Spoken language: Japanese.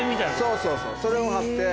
そうそうそうそれを張って。